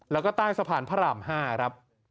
แล้วก็ใต้สะพานพระราม๕ครับ